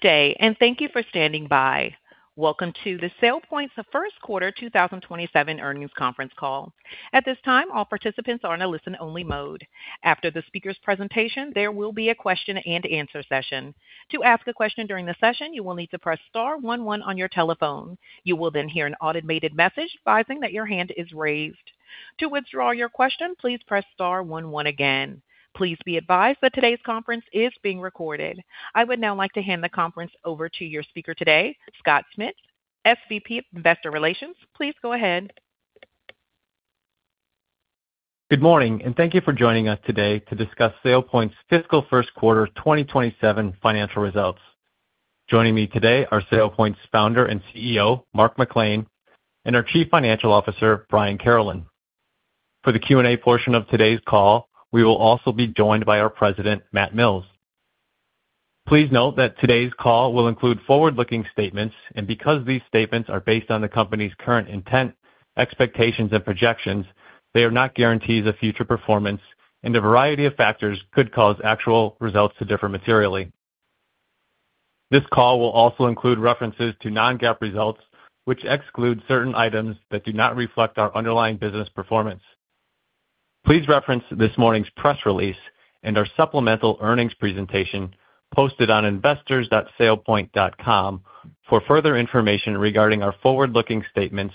Day. Thank you for standing by. Welcome to SailPoint's First Quarter 2027 Earnings Conference Call. At this time, all participants are in a listen-only mode. After the speaker's presentation, there will be a question and answer session. To ask a question during the session, you will need to press star one one on your telephone. You will then hear an automated message advising that your hand is raised. To withdraw your question, please press star one one again. Please be advised that today's conference is being recorded. I would now like to hand the conference over to your speaker today, Scott Schmitz, SVP of Investor Relations. Please go ahead. Good morning. Thank you for joining us today to discuss SailPoint's fiscal first quarter 2027 financial results. Joining me today are SailPoint's Founder and CEO, Mark McClain, and our Chief Financial Officer, Brian Carolan. For the Q&A portion of today's call, we will also be joined by our President, Matt Mills. Please note that today's call will include forward-looking statements. Because these statements are based on the company's current intent, expectations, and projections, they are not guarantees of future performance, and a variety of factors could cause actual results to differ materially. This call will also include references to non-GAAP results, which exclude certain items that do not reflect our underlying business performance. Please reference this morning's press release and our supplemental earnings presentation posted on investors.sailpoint.com for further information regarding our forward-looking statements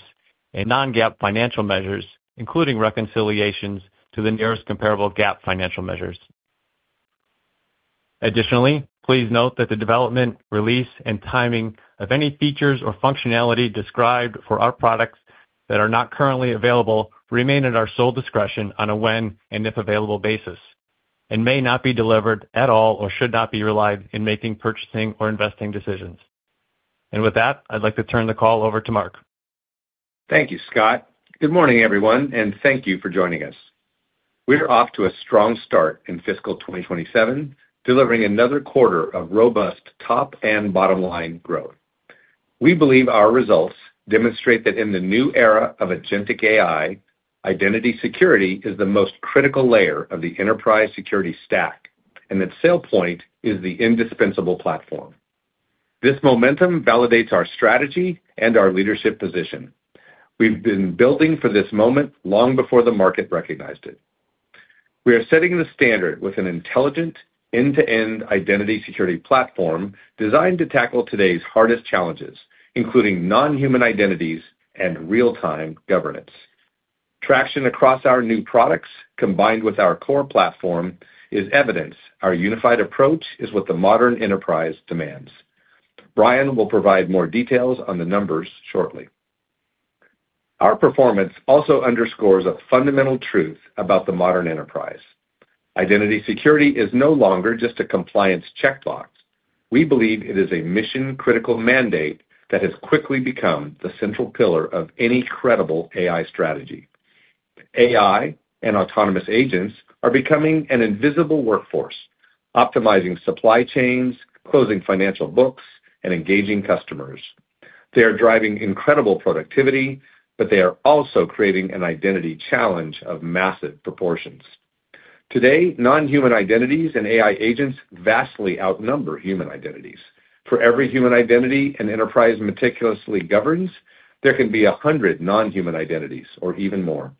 and non-GAAP financial measures, including reconciliations to the nearest comparable GAAP financial measures. Additionally, please note that the development, release, and timing of any features or functionality described for our products that are not currently available remain at our sole discretion on a when and if available basis, and may not be delivered at all or should not be relied in making, purchasing, or investing decisions. With that, I'd like to turn the call over to Mark. Thank you, Scott. Good morning, everyone. Thank you for joining us. We're off to a strong start in fiscal 2027, delivering another quarter of robust top and bottom-line growth. We believe our results demonstrate that in the new era of agentic AI, identity security is the most critical layer of the enterprise security stack and that SailPoint is the indispensable platform. This momentum validates our strategy and our leadership position. We've been building for this moment long before the market recognized it. We are setting the standard with an intelligent end-to-end identity security platform designed to tackle today's hardest challenges, including non-human identities and real-time governance. Traction across our new products, combined with our core platform, is evidence our unified approach is what the modern enterprise demands. Brian will provide more details on the numbers shortly. Our performance also underscores a fundamental truth about the modern enterprise. Identity security is no longer just a compliance checkbox. We believe it is a mission-critical mandate that has quickly become the central pillar of any credible AI strategy. AI and autonomous agents are becoming an invisible workforce, optimizing supply chains, closing financial books, and engaging customers. They are driving incredible productivity, but they are also creating an identity challenge of massive proportions. Today, non-human identities and AI agents vastly outnumber human identities. For every human identity an enterprise meticulously governs, there can be 100 non-human identities or even more.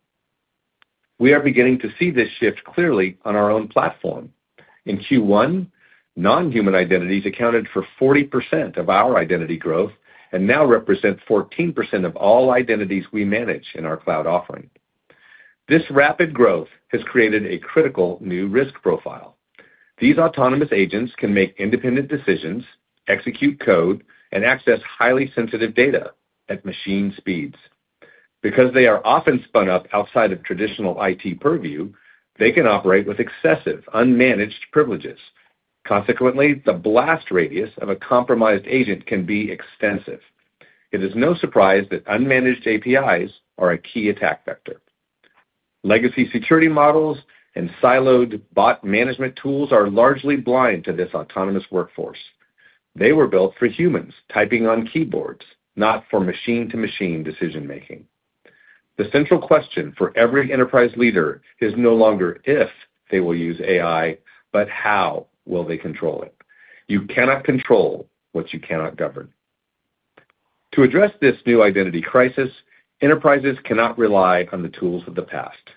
We are beginning to see this shift clearly on our own platform. In Q1, non-human identities accounted for 40% of our identity growth and now represent 14% of all identities we manage in our cloud offering. This rapid growth has created a critical new risk profile. These autonomous agents can make independent decisions, execute code, and access highly sensitive data at machine speeds. Because they are often spun up outside of traditional IT purview, they can operate with excessive, unmanaged privileges. Consequently, the blast radius of a compromised agent can be extensive. It is no surprise that unmanaged APIs are a key attack vector. Legacy security models and siloed bot management tools are largely blind to this autonomous workforce. They were built for humans typing on keyboards, not for machine-to-machine decision making. The central question for every enterprise leader is no longer if they will use AI, but how will they control it? You cannot control what you cannot govern. To address this new identity crisis, enterprises cannot rely on the tools of the past.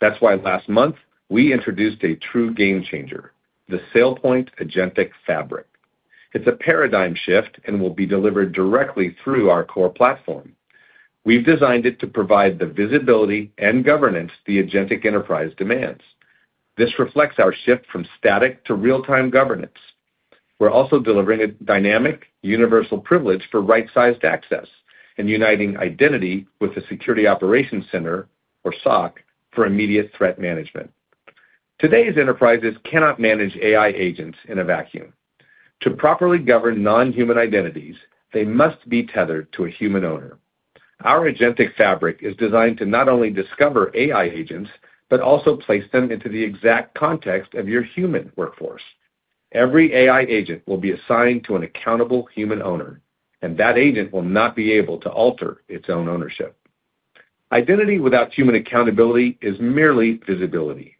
That's why last month, we introduced a true game changer, the SailPoint Agentic Fabric. It's a paradigm shift and will be delivered directly through our core platform. We've designed it to provide the visibility and governance the agentic enterprise demands. This reflects our shift from static to real-time governance. We're also delivering a dynamic universal privilege for right-sized access and uniting identity with the Security Operations Center, or SOC, for immediate threat management. Today's enterprises cannot manage AI agents in a vacuum. To properly govern non-human identities, they must be tethered to a human owner. Our Agentic Fabric is designed to not only discover AI agents, but also place them into the exact context of your human workforce. Every AI agent will be assigned to an accountable human owner, and that agent will not be able to alter its own ownership. Identity without human accountability is merely visibility.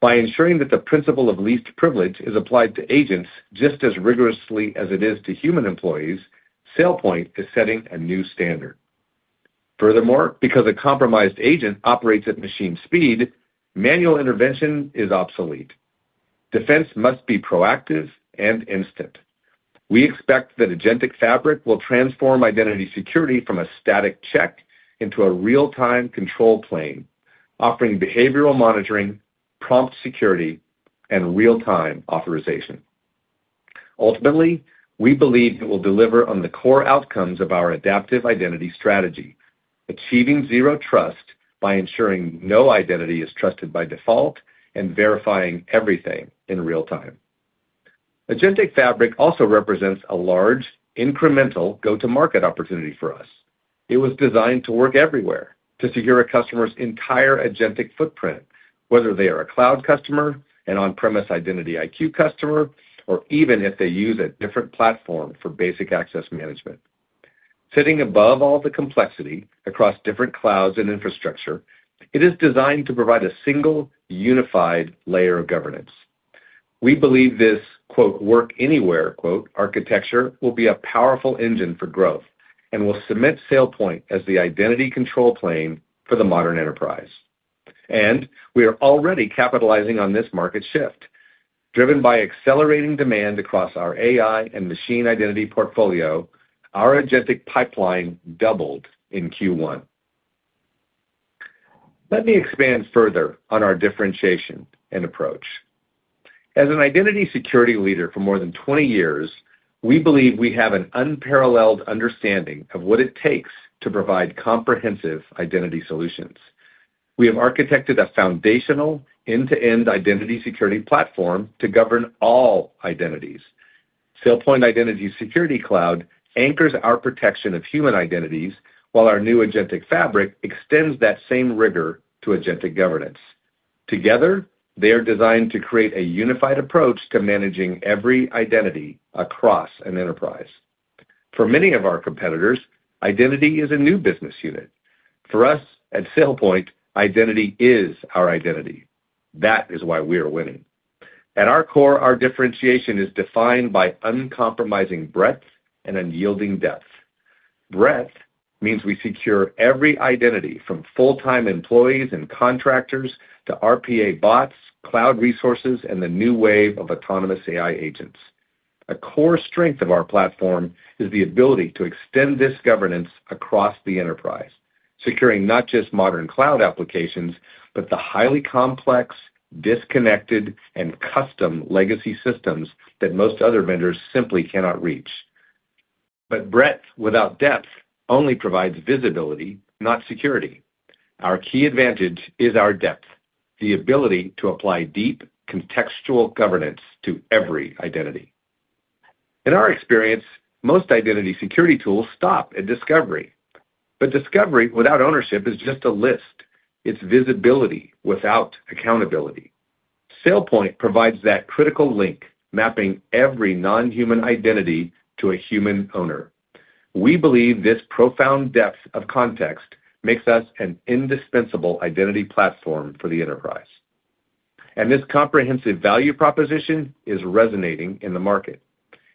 By ensuring that the principle of least privilege is applied to agents just as rigorously as it is to human employees, SailPoint is setting a new standard. Furthermore, because a compromised agent operates at machine speed, manual intervention is obsolete. Defense must be proactive and instant. We expect that Agentic Fabric will transform identity security from a static check into a real-time control plane, offering behavioral monitoring, prompt security, and real-time authorization. Ultimately, we believe it will deliver on the core outcomes of our adaptive identity strategy, achieving zero trust by ensuring no identity is trusted by default and verifying everything in real time. Agentic Fabric also represents a large incremental go-to-market opportunity for us. It was designed to work everywhere to secure a customer's entire agentic footprint, whether they are a cloud customer, an on-premise IdentityIQ customer, or even if they use a different platform for basic access management. Sitting above all the complexity across different clouds and infrastructure, it is designed to provide a single, unified layer of governance. We believe this "work anywhere" architecture will be a powerful engine for growth and will cement SailPoint as the identity control plane for the modern enterprise. We are already capitalizing on this market shift. Driven by accelerating demand across our AI and machine identity portfolio, our agentic pipeline doubled in Q1. Let me expand further on our differentiation and approach. As an identity security leader for more than 20 years, we believe we have an unparalleled understanding of what it takes to provide comprehensive identity solutions. We have architected a foundational end-to-end identity security platform to govern all identities. SailPoint Identity Security Cloud anchors our protection of human identities, while our new Agentic Fabric extends that same rigor to agentic governance. Together, they are designed to create a unified approach to managing every identity across an enterprise. For many of our competitors, Identity is a new business unit. For us, at SailPoint, Identity is our identity. That is why we are winning. At our core, our differentiation is defined by uncompromising breadth and unyielding depth. Breadth means we secure every identity from full-time employees and contractors to RPA bots, cloud resources, and the new wave of autonomous AI agents. A core strength of our platform is the ability to extend this governance across the enterprise, securing not just modern cloud applications, but the highly complex, disconnected, and custom legacy systems that most other vendors simply cannot reach. Breadth without depth only provides visibility, not security. Our key advantage is our depth, the ability to apply deep contextual governance to every identity. In our experience, most identity security tools stop at discovery. Discovery without ownership is just a list. It's visibility without accountability. SailPoint provides that critical link, mapping every non-human identity to a human owner. We believe this profound depth of context makes us an indispensable identity platform for the enterprise. This comprehensive value proposition is resonating in the market.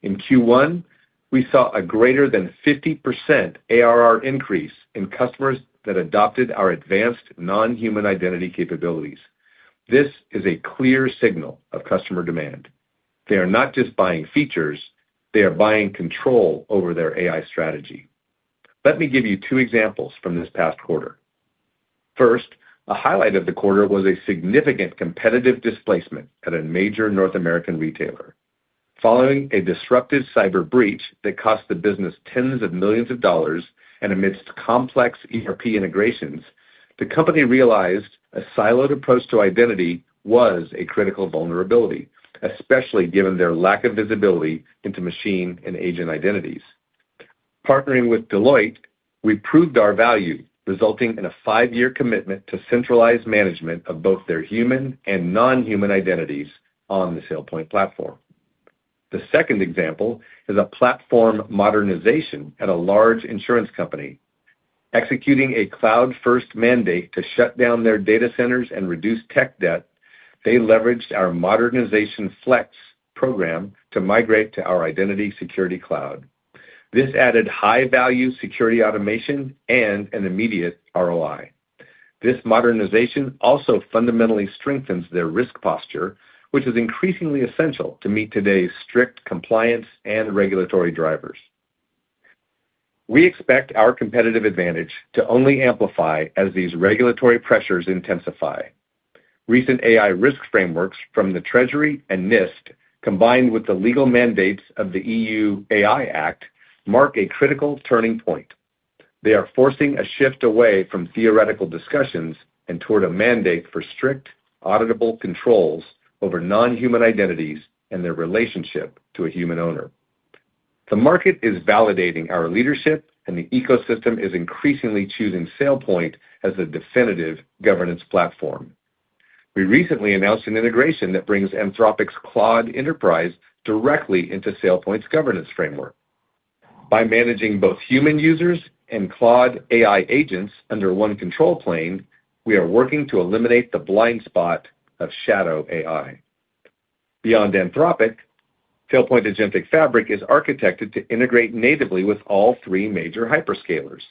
In Q1, we saw a greater than 50% ARR increase in customers that adopted our advanced non-human identity capabilities. This is a clear signal of customer demand. They are not just buying features, they are buying control over their AI strategy. Let me give you two examples from this past quarter. First, a highlight of the quarter was a significant competitive displacement at a major North American retailer. Following a disruptive cyber breach that cost the business tens of millions of dollars and amidst complex ERP integrations, the company realized a siloed approach to identity was a critical vulnerability, especially given their lack of visibility into machine and agent identities. Partnering with Deloitte, we proved our value, resulting in a five-year commitment to centralized management of both their human and non-human identities on the SailPoint platform. The second example is a platform modernization at a large insurance company. Executing a cloud-first mandate to shut down their data centers and reduce tech debt, they leveraged our Modernization Flex program to migrate to our Identity Security Cloud. This added high-value security automation and an immediate ROI. This modernization also fundamentally strengthens their risk posture, which is increasingly essential to meet today's strict compliance and regulatory drivers. We expect our competitive advantage to only amplify as these regulatory pressures intensify. Recent AI risk frameworks from the Treasury and NIST, combined with the legal mandates of the EU AI Act, mark a critical turning point. They are forcing a shift away from theoretical discussions and toward a mandate for strict, auditable controls over non-human identities and their relationship to a human owner. The market is validating our leadership, and the ecosystem is increasingly choosing SailPoint as the definitive governance platform. We recently announced an integration that brings Anthropic's Claude Enterprise directly into SailPoint's governance framework. By managing both human users and Claude AI agents under one control plane, we are working to eliminate the blind spot of Shadow AI. Beyond Anthropic, SailPoint Agentic Fabric is architected to integrate natively with all three major hyperscalers.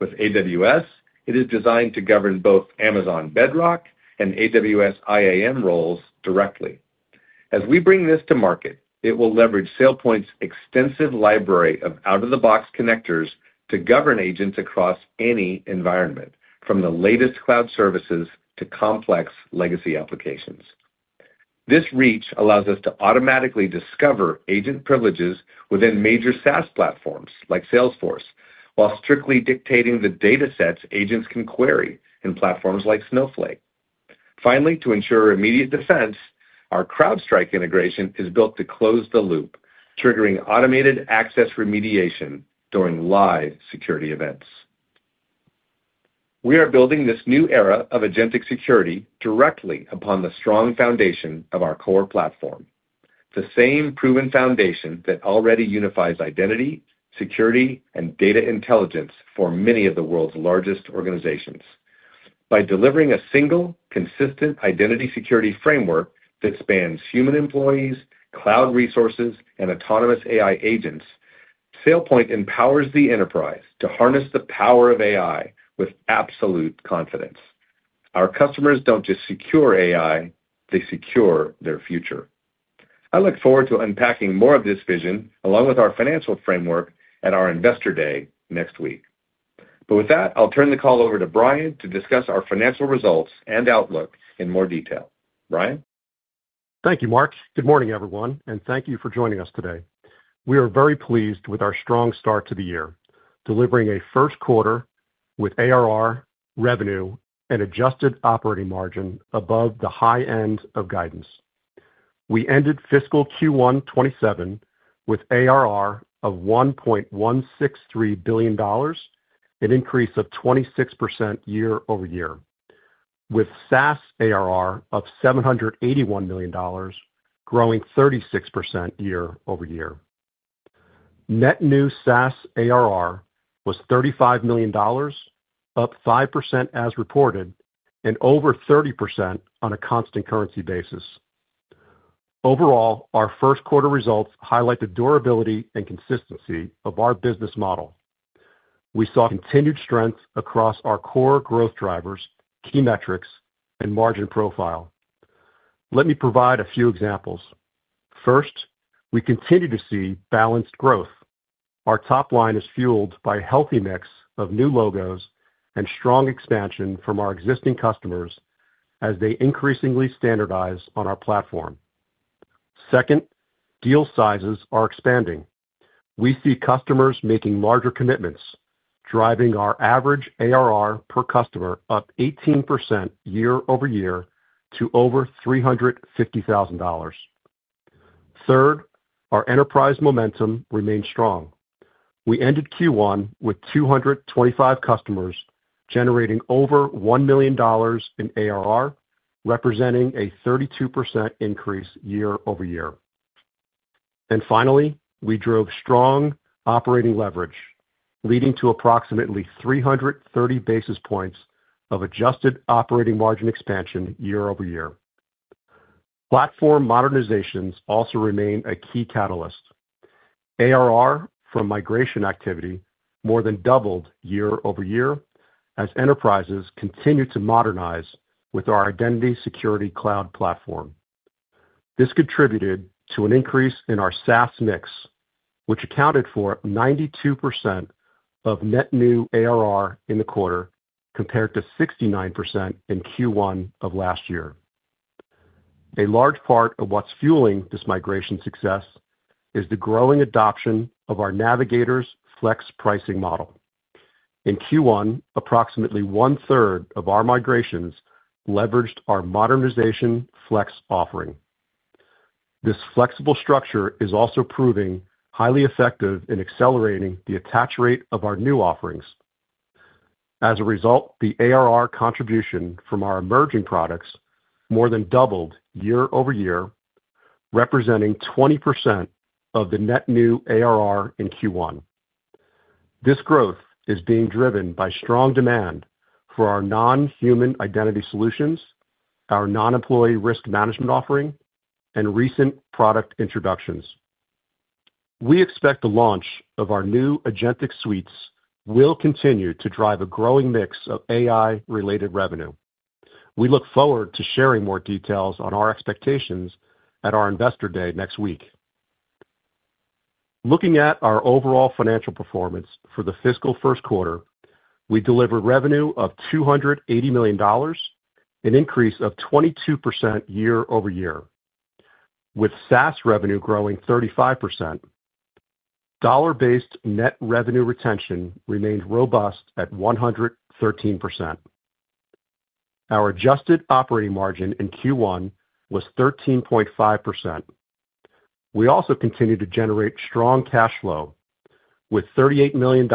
With AWS, it is designed to govern both Amazon Bedrock and AWS IAM roles directly. As we bring this to market, it will leverage SailPoint's extensive library of out-of-the-box connectors to govern agents across any environment, from the latest cloud services to complex legacy applications. This reach allows us to automatically discover agent privileges within major SaaS platforms like Salesforce, while strictly dictating the data sets agents can query in platforms like Snowflake. Finally, to ensure immediate defense, our CrowdStrike integration is built to close the loop, triggering automated access remediation during live security events. We are building this new era of agentic security directly upon the strong foundation of our core platform. It's the same proven foundation that already unifies identity, security, and data intelligence for many of the world's largest organizations. By delivering a single, consistent identity security framework that spans human employees, cloud resources, and autonomous AI agents, SailPoint empowers the enterprise to harness the power of AI with absolute confidence. Our customers don't just secure AI, they secure their future. I look forward to unpacking more of this vision, along with our financial framework at our Investor Day next week. With that, I'll turn the call over to Brian to discuss our financial results and outlook in more detail. Brian? Thank you, Mark. Good morning, everyone, and thank you for joining us today. We are very pleased with our strong start to the year, delivering a first quarter with ARR, revenue, and adjusted operating margin above the high end of guidance. We ended fiscal Q1 2027 with ARR of $1.163 billion, an increase of 26% year-over-year, with SaaS ARR of $781 million, growing 36% year-over-year. Net new SaaS ARR was $35 million, up 5% as reported, and over 30% on a constant currency basis. Our first quarter results highlight the durability and consistency of our business model. We saw continued strength across our core growth drivers, key metrics and margin profile. Let me provide a few examples. First, we continue to see balanced growth. Our top line is fueled by a healthy mix of new logos and strong expansion from our existing customers as they increasingly standardize on our platform. Second, deal sizes are expanding. We see customers making larger commitments, driving our average ARR per customer up 18% year-over-year to over $350,000. Third, our enterprise momentum remained strong. We ended Q1 with 225 customers generating over $1 million in ARR, representing a 32% increase year-over-year. Finally, we drove strong operating leverage, leading to approximately 330 basis points of adjusted operating margin expansion year-over-year. Platform modernizations also remain a key catalyst. ARR from migration activity more than doubled year-over-year as enterprises continue to modernize with our Identity Security Cloud platform. This contributed to an increase in our SaaS mix, which accounted for 92% of net new ARR in the quarter, compared to 69% in Q1 of last year. A large part of what's fueling this migration success is the growing adoption of our Navigators Flex pricing model. In Q1, approximately one-third of our migrations leveraged our Modernization Flex offering. This flexible structure is also proving highly effective in accelerating the attach rate of our new offerings. As a result, the ARR contribution from our emerging products more than doubled year-over-year, representing 20% of the net new ARR in Q1. This growth is being driven by strong demand for our non-human identity solutions, our non-employee risk management offering, and recent product introductions. We expect the launch of our new agentic suites will continue to drive a growing mix of AI-related revenue. We look forward to sharing more details on our expectations at our Investor Day next week. Looking at our overall financial performance for the fiscal first quarter, we delivered revenue of $280 million, an increase of 22% year-over-year, with SaaS revenue growing 35%. Dollar-based net revenue retention remained robust at 113%. Our adjusted operating margin in Q1 was 13.5%. We also continue to generate strong cash flow with $38 million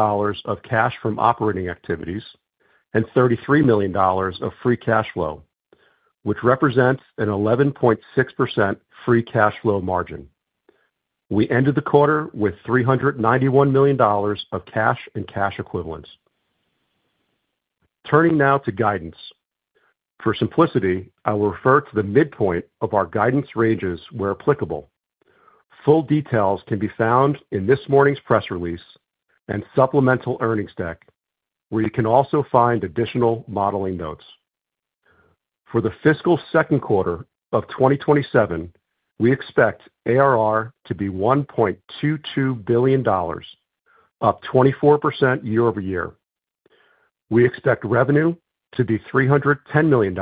of cash from operating activities and $33 million of free cash flow, which represents an 11.6% free cash flow margin. We ended the quarter with $391 million of cash and cash equivalents. Turning now to guidance. For simplicity, I will refer to the midpoint of our guidance ranges where applicable. Full details can be found in this morning's press release and supplemental earnings deck, where you can also find additional modeling notes. For the fiscal second quarter of 2027, we expect ARR to be $1.22 billion, up 24% year-over-year. We expect revenue to be $310 million,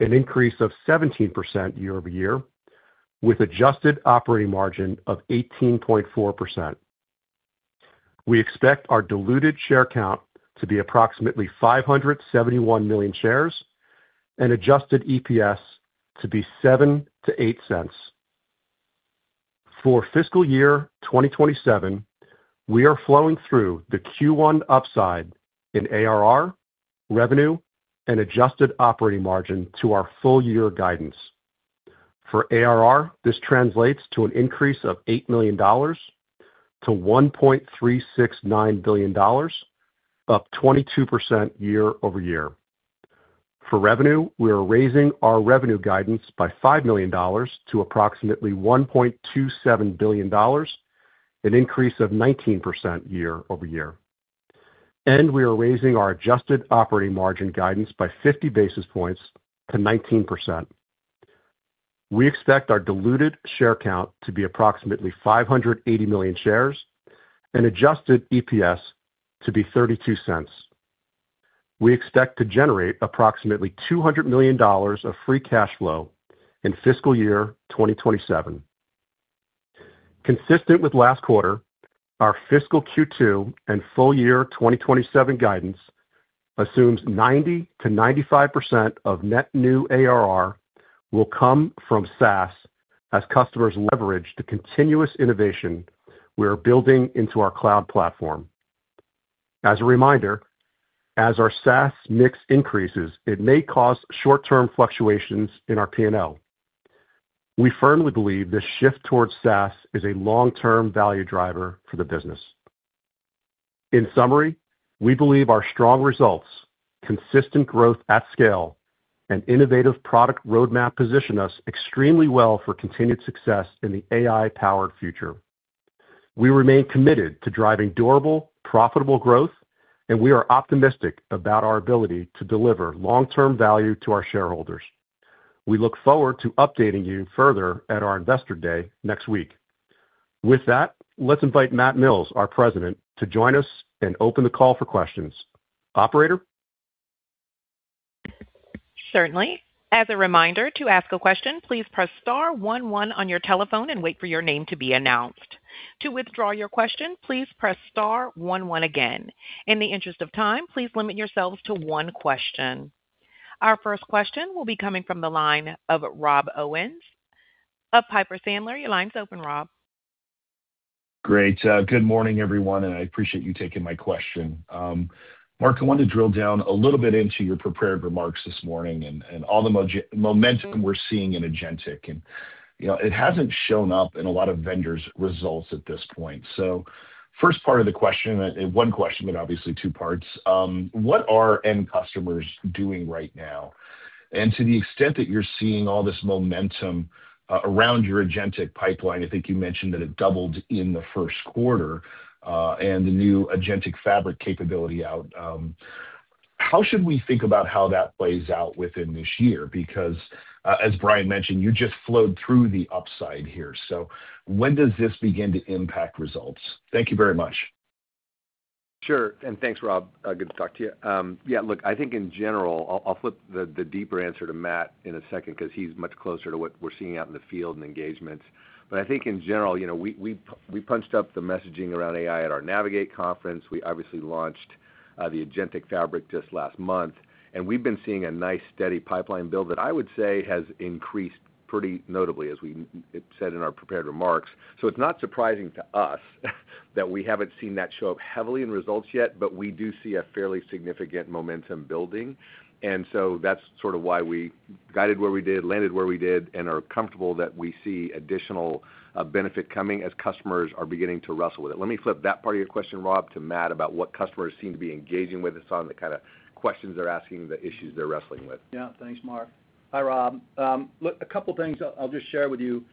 an increase of 17% year-over-year, with adjusted operating margin of 18.4%. We expect our diluted share count to be approximately 571 million shares and adjusted EPS to be $0.07-$0.08. For fiscal year 2027, we are flowing through the Q1 upside in ARR, revenue, and adjusted operating margin to our full year guidance. For ARR, this translates to an increase of $8 million to $1.369 billion, up 22% year-over-year. For revenue, we are raising our revenue guidance by $5 million to approximately $1.27 billion, an increase of 19% year-over-year. We are raising our adjusted operating margin guidance by 50 basis points to 19%. We expect our diluted share count to be approximately 580 million shares and adjusted EPS to be $0.32. We expect to generate approximately $200 million of free cash flow in fiscal year 2027. Consistent with last quarter, our fiscal Q2 and full year 2027 guidance assumes 90%-95% of net new ARR will come from SaaS as customers leverage the continuous innovation we are building into our cloud platform. As a reminder, as our SaaS mix increases, it may cause short-term fluctuations in our P&L. We firmly believe this shift towards SaaS is a long-term value driver for the business. In summary, we believe our strong results, consistent growth at scale, and innovative product roadmap position us extremely well for continued success in the AI-powered future. We remain committed to driving durable, profitable growth, and we are optimistic about our ability to deliver long-term value to our shareholders. We look forward to updating you further at our Investor Day next week. With that, let's invite Matt Mills, our President, to join us and open the call for questions. Operator? Certainly. As a reminder, to ask a question, please press star one one on your telephone and wait for your name to be announced. To withdraw your question, please press star one one again. In the interest of time, please limit yourselves to one question. Our first question will be coming from the line of Rob Owens of Piper Sandler. Your line's open, Rob. Great. Good morning, everyone, I appreciate you taking my question. Mark, I want to drill down a little bit into your prepared remarks this morning and all the momentum we're seeing in Agentic. It hasn't shown up in a lot of vendors' results at this point. First part of the question, one question, but obviously two parts. What are end customers doing right now? To the extent that you're seeing all this momentum around your Agentic pipeline, I think you mentioned that it doubled in the first quarter, and the new Agentic Fabric capability out. How should we think about how that plays out within this year? As Brian mentioned, you just flowed through the upside here. When does this begin to impact results? Thank you very much. Sure. Thanks, Rob. Good to talk to you. Look, I think in general, I'll flip the deeper answer to Matt in a second because he's much closer to what we're seeing out in the field and engagements. I think in general, we punched up the messaging around AI at our Navigate conference. We obviously launched the Agentic Fabric just last month, and we've been seeing a nice steady pipeline build that I would say has increased pretty notably, as we said in our prepared remarks. It's not surprising to us that we haven't seen that show up heavily in results yet, but we do see a fairly significant momentum building. That's sort of why we guided where we did, landed where we did, and are comfortable that we see additional benefit coming as customers are beginning to wrestle with it. Let me flip that part of your question, Rob, to Matt about what customers seem to be engaging with us on, the kind of questions they're asking, the issues they're wrestling with. Thanks, Mark. Hi, Rob. A couple of things I'll just share with you.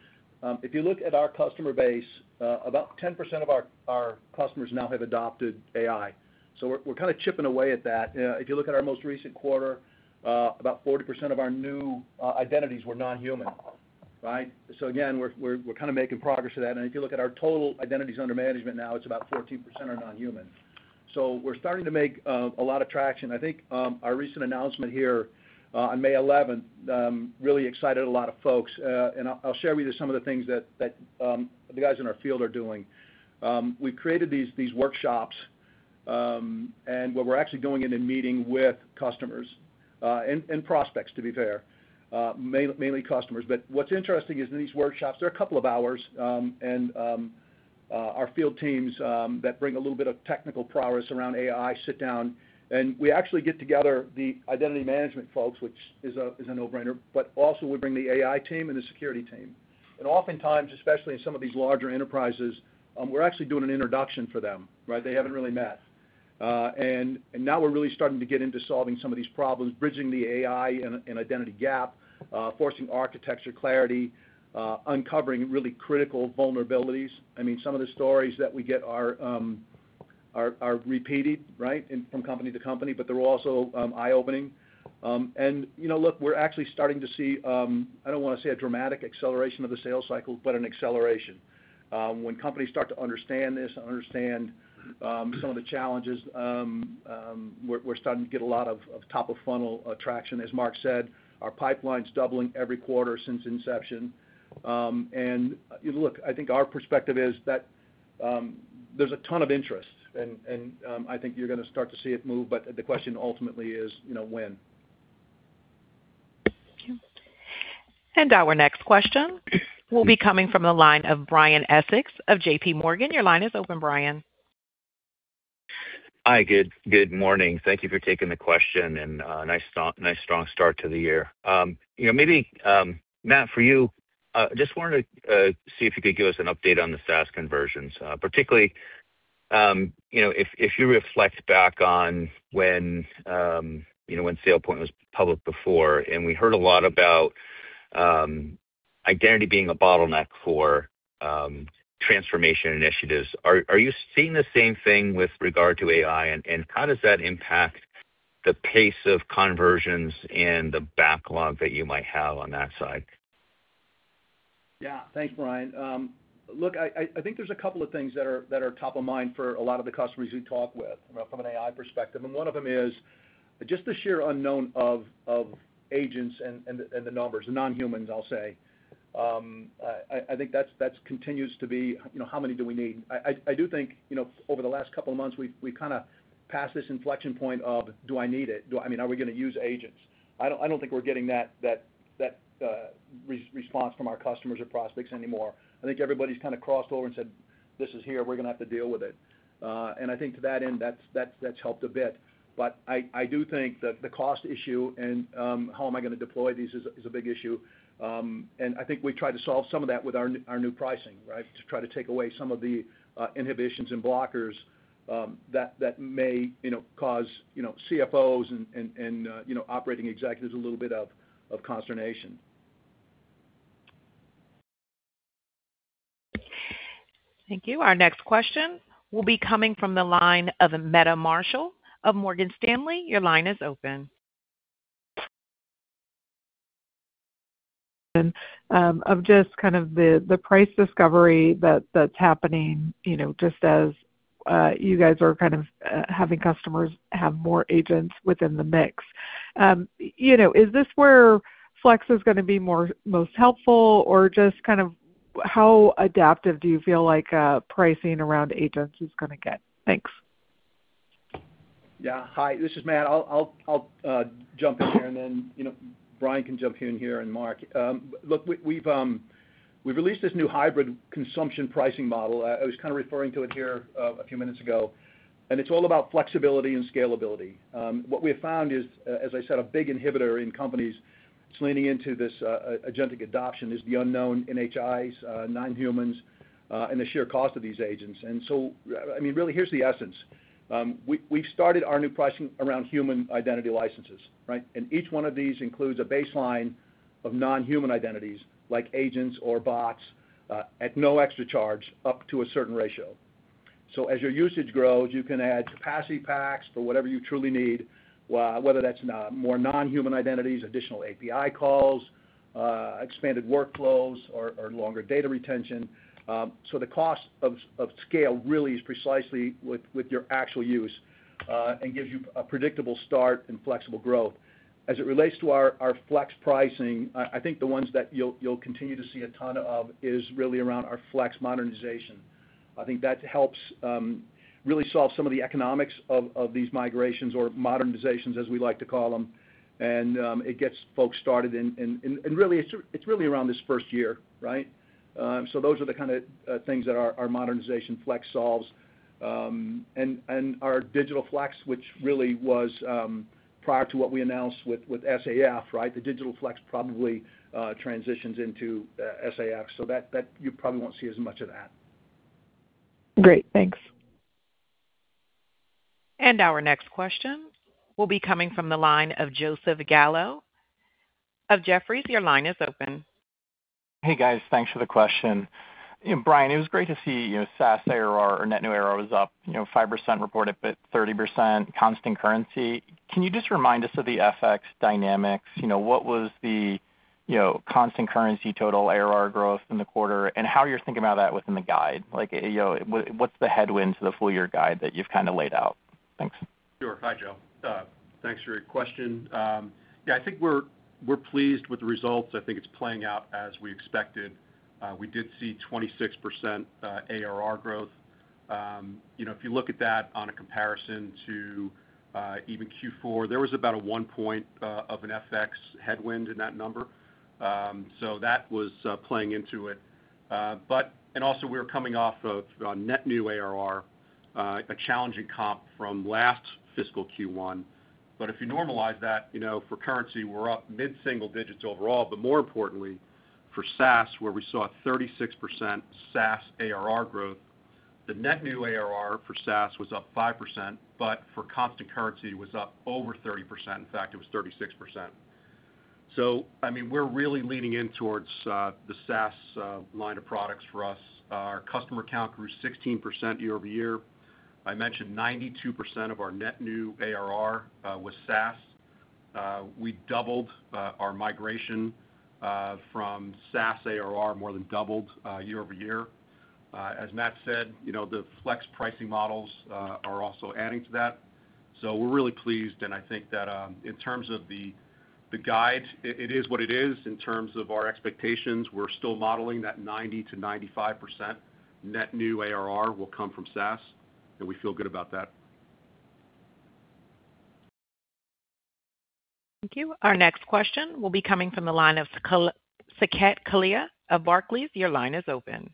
If you look at our customer base, about 10% of our customers now have adopted AI. We're kind of chipping away at that. If you look at our most recent quarter, about 40% of our new identities were non-human. Right? Again, we're kind of making progress to that. If you look at our total identities under management now, it's about 14% are non-human. We're starting to make a lot of traction. I think our recent announcement here on May 11th really excited a lot of folks. I'll share with you some of the things that the guys in our field are doing. We've created these workshops. Where we're actually going in and meeting with customers, and prospects, to be fair. Mainly customers. What's interesting is that these workshops, they're a couple of hours, and our field teams that bring a little bit of technical prowess around AI sit down, and we actually get together the identity management folks, which is a no-brainer, but also we bring the AI team and the security team. Oftentimes, especially in some of these larger enterprises, we're actually doing an introduction for them, right? They haven't really met. Now we're really starting to get into solving some of these problems, bridging the AI and identity gap, forcing architecture clarity, uncovering really critical vulnerabilities. Some of the stories that we get are repeated, right, from company to company, but they're also eye-opening. Look, we're actually starting to see, I don't want to say a dramatic acceleration of the sales cycle, but an acceleration. When companies start to understand this and understand some of the challenges, we're starting to get a lot of top-of-funnel attraction. As Mark said, our pipeline's doubling every quarter since inception. Look, I think our perspective is that there's a ton of interest, and I think you're going to start to see it move, but the question ultimately is when. Thank you. Our next question will be coming from the line of Brian Essex of JPMorgan. Your line is open, Brian. Hi, good morning. Thank you for taking the question, nice strong start to the year. Maybe, Matt, for you, just wanted to see if you could give us an update on the SaaS conversions. Particularly, if you reflect back on when SailPoint was public before, and we heard a lot about identity being a bottleneck for transformation initiatives. Are you seeing the same thing with regard to AI, and how does that impact the pace of conversions and the backlog that you might have on that side? Yeah. Thanks, Brian. Look, I think there's a couple of things that are top of mind for a lot of the customers we talk with from an AI perspective, one of them is just the sheer unknown of agents and the numbers, the non-humans, I'll say. I think that continues to be how many do we need? I do think, over the last couple of months, we've passed this inflection point of do I need it? Are we going to use agents? I don't think we're getting that response from our customers or prospects anymore. I think everybody's crossed over and said, "This is here. We're going to have to deal with it." I think to that end, that's helped a bit. I do think that the cost issue and how am I going to deploy these is a big issue. I think we try to solve some of that with our new pricing, right? To try to take away some of the inhibitions and blockers that may cause CFOs and operating executives a little bit of consternation. Thank you. Our next question will be coming from the line of Meta Marshall of Morgan Stanley. Your line is open. Of just the price discovery that's happening, just as you guys are having customers have more agents within the mix. Is this where Flex is going to be most helpful, or just how adaptive do you feel like pricing around agents is going to get? Thanks. Yeah. Hi, this is Matt. I'll jump in here, then Brian can jump in here, and Mark. Look, we've released this new hybrid consumption pricing model. I was kind of referring to it here a few minutes ago, it's all about flexibility and scalability. What we have found is, as I said, a big inhibitor in companies leaning into this agentic adoption is the unknown NHIs, non-humans, and the sheer cost of these agents. Really, here's the essence. We started our new pricing around human identity licenses, right? Each one of these includes a baseline of non-human identities, like agents or bots, at no extra charge, up to a certain ratio. As your usage grows, you can add capacity packs for whatever you truly need, whether that's more non-human identities, additional API calls, expanded workflows, or longer data retention. The cost of scale really is precisely with your actual use, and gives you a predictable start and flexible growth. As it relates to our Flex pricing, I think the ones that you'll continue to see a ton of is really around our Modernization Flex. That helps really solve some of the economics of these migrations or modernizations, as we like to call them, and it gets folks started. It's really around this first year, right? Those are the kind of things that our Modernization Flex solves. Our Digital Identity Flex, which really was prior to what we announced with SAF, right? The Digital Identity Flex probably transitions into SAF, so you probably won't see as much of that. Great. Thanks. Our next question will be coming from the line of Joseph Gallo of Jefferies. Your line is open. Hey, guys, thanks for the question. Brian, it was great to see SaaS ARR or net new ARR was up 5% reported, but 30% constant currency. Can you just remind us of the FX dynamics? What was the constant currency total ARR growth in the quarter, and how you're thinking about that within the guide? What's the headwinds of the full-year guide that you've laid out? Thanks. Sure. Hi, Joseph. Thanks for your question. I think we're pleased with the results. I think it's playing out as we expected. We did see 26% ARR growth. If you look at that on a comparison to even Q4, there was about a 1 point of an FX headwind in that number. Also, we were coming off of net new ARR, a challenging comp from last fiscal Q1. If you normalize that for currency, we're up mid-single digits overall. More importantly, for SaaS, where we saw 36% SaaS ARR growth, the net new ARR for SaaS was up 5%, but for constant currency was up over 30%. In fact, it was 36%. We're really leaning in towards the SaaS line of products for us. Our customer count grew 16% year-over-year. I mentioned 92% of our net new ARR was SaaS. We doubled our migration from SaaS ARR, more than doubled year-over-year. As Matt said, the flex pricing models are also adding to that. We're really pleased, and I think that in terms of the guide, it is what it is in terms of our expectations. We're still modeling that 90%-95% net new ARR will come from SaaS, and we feel good about that. Thank you. Our next question will be coming from the line of Saket Kalia of Barclays. Your line is open.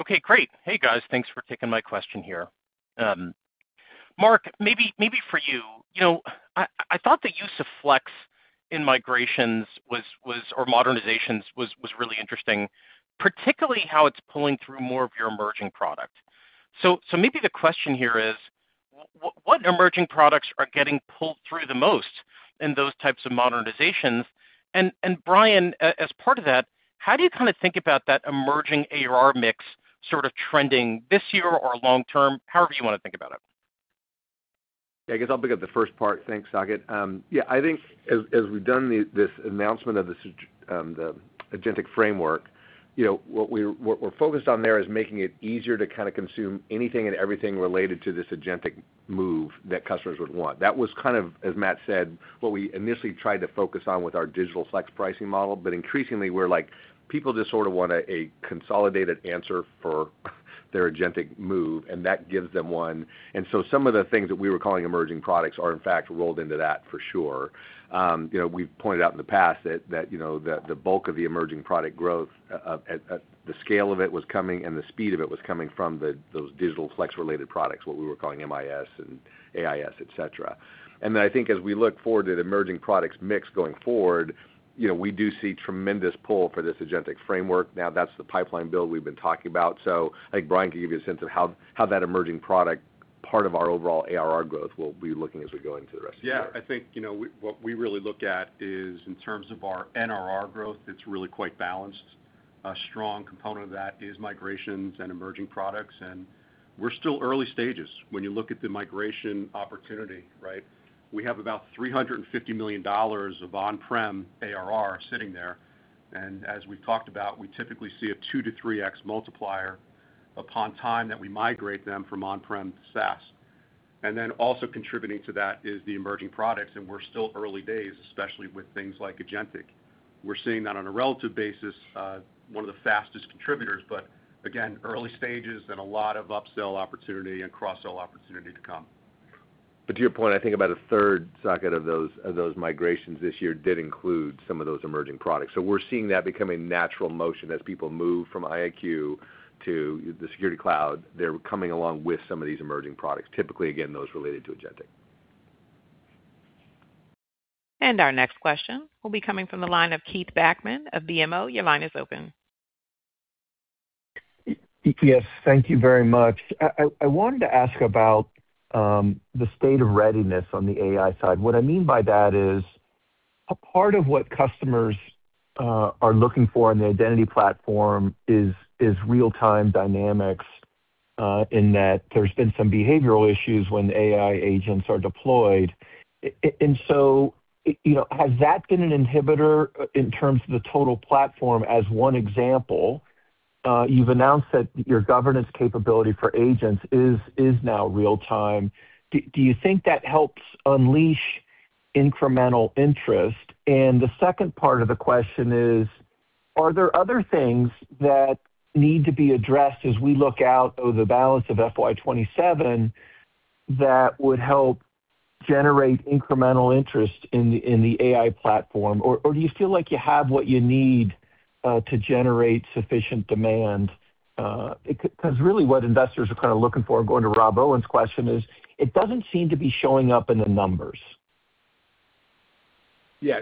Okay, great. Hey, guys, thanks for taking my question here. Mark, maybe for you. I thought the use of Flex in migrations or modernizations was really interesting, particularly how it's pulling through more of your emerging product. Maybe the question here is what emerging products are getting pulled through the most in those types of Modernizations? And Brian, as part of that, how do you think about that emerging ARR mix sort of trending this year or long term? However you want to think about it. I guess I'll pick up the first part. Thanks, Saket. I think as we've done this announcement of the agentic framework, what we're focused on there is making it easier to consume anything and everything related to this agentic move that customers would want. That was kind of, as Matt said, what we initially tried to focus on with our Digital Flex pricing model. Increasingly, we're like, people just sort of want a consolidated answer for their agentic move, and that gives them one. Some of the things that we were calling emerging products are, in fact, rolled into that for sure. We've pointed out in the past that the bulk of the emerging product growth, the scale of it was coming, and the speed of it was coming from those Digital Flex-related products, what we were calling MIS and AIS, et cetera. I think as we look forward to the emerging products mix going forward, we do see tremendous pull for this agentic framework. That's the pipeline build we've been talking about. I think Brian can give you a sense of how that emerging product part of our overall ARR growth will be looking as we go into the rest of the year. I think, what we really look at is in terms of our NRR growth, it's really quite balanced. A strong component of that is migrations and emerging products, and we're still early stages when you look at the migration opportunity, right? We have about $350 million of on-prem ARR sitting there. As we've talked about, we typically see a 2x to 3x multiplier upon time that we migrate them from on-prem to SaaS. Also contributing to that is the emerging products, and we're still early days, especially with things like agentic. We're seeing that on a relative basis, one of the fastest contributors, but again, early stages and a lot of upsell opportunity and cross-sell opportunity to come. To your point, I think about a third, Saket, of those migrations this year did include some of those emerging products. We're seeing that become a natural motion as people move from IdentityIQ to the Identity Security Cloud. They're coming along with some of these emerging products, typically, again, those related to agentic. Our next question will be coming from the line of Keith Bachman of BMO. Your line is open. Yes, thank you very much. I wanted to ask about the state of readiness on the AI side. What I mean by that is a part of what customers are looking for in the identity platform is real-time dynamics, in that there's been some behavioral issues when AI agents are deployed. Has that been an inhibitor in terms of the total platform as one example? You've announced that your governance capability for agents is now real-time. Do you think that helps unleash incremental interest? The second part of the question is, are there other things that need to be addressed as we look out over the balance of FY 2027 that would help generate incremental interest in the AI platform? Or do you feel like you have what you need to generate sufficient demand? Really what investors are kind of looking for, going to Rob Owens' question is, it doesn't seem to be showing up in the numbers. Yeah,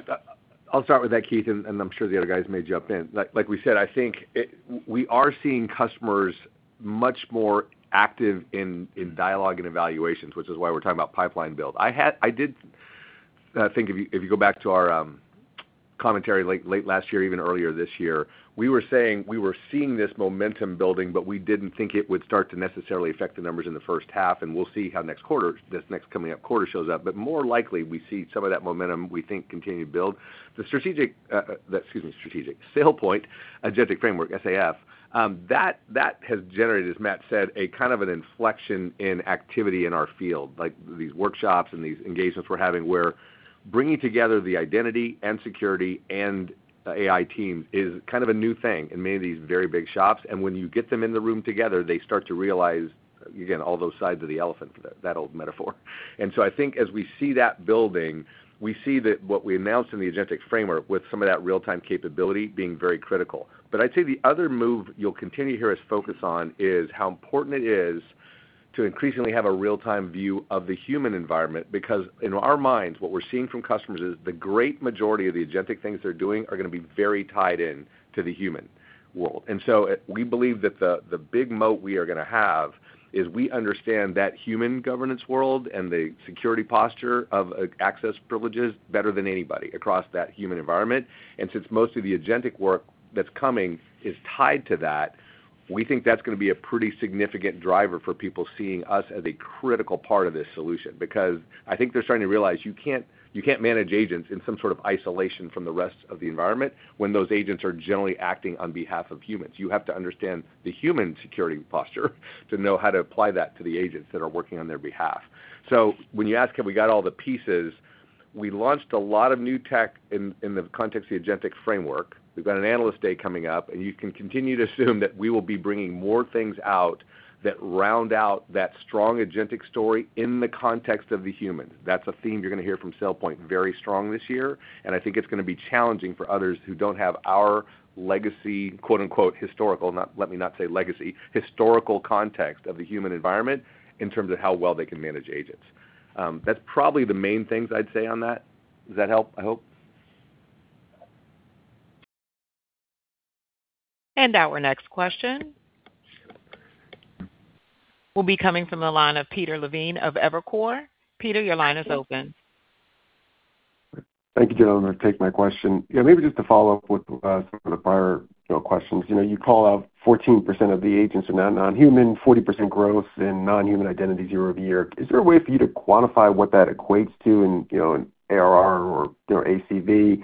I'll start with that, Keith, I'm sure the other guys may jump in. Like we said, I think we are seeing customers much more active in dialogue and evaluations, which is why we're talking about pipeline build. I did think if you go back to our commentary late last year, even earlier this year, we were saying we were seeing this momentum building, but we didn't think it would start to necessarily affect the numbers in the first half, we'll see how next quarter, this next coming up quarter shows up. More likely, we see some of that momentum, we think, continue to build. The SailPoint Agentic Fabric, SAF, that has generated, as Matt said, a kind of an inflection in activity in our field, like these workshops and these engagements we're having where bringing together the identity and security and AI team is kind of a new thing in many of these very big shops. When you get them in the room together, they start to realize. Again, all those sides of the elephant, that old metaphor. I think as we see that building, we see that what we announced in the Agentic Fabric with some of that real-time capability being very critical. I'd say the other move you'll continue to hear us focus on is how important it is to increasingly have a real-time view of the human environment. In our minds, what we're seeing from customers is the great majority of the agentic things they're doing are going to be very tied in to the human world. We believe that the big moat we are going to have is we understand that human governance world and the security posture of access privileges better than anybody across that human environment. Since most of the agentic work that's coming is tied to that, we think that's going to be a pretty significant driver for people seeing us as a critical part of this solution. I think they're starting to realize you can't manage agents in some sort of isolation from the rest of the environment when those agents are generally acting on behalf of humans. You have to understand the human security posture to know how to apply that to the agents that are working on their behalf. When you ask, have we got all the pieces? We launched a lot of new tech in the context of the Agentic Fabric. We've got an Analyst Day coming up, and you can continue to assume that we will be bringing more things out that round out that strong agentic story in the context of the human. That's a theme you're going to hear from SailPoint very strong this year, and I think it's going to be challenging for others who don't have our legacy, quote unquote, historical, let me not say legacy, historical context of the human environment in terms of how well they can manage agents. That's probably the main things I'd say on that. Does that help, I hope? Our next question will be coming from the line of Peter Levine of Evercore. Peter, your line is open. Thank you, gentlemen. Take my question. Maybe just to follow up with some of the prior questions. You call out 14% of the agents are now non-human, 40% growth in non-human identities year-over-year. Is there a way for you to quantify what that equates to in ARR or ACV?